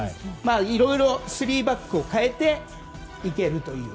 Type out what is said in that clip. いろいろ３バックで代えていけるという。